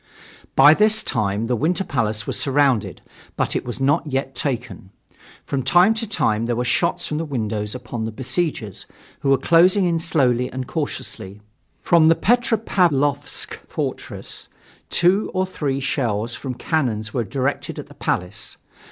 By this time the Winter Palace was surrounded, but it was not yet taken. From time to time there were shots from the windows upon the besiegers, who were closing in slowly and cautiously. From the Petropavlovsk Fortress, two or three shells from cannons were directed at the Palace.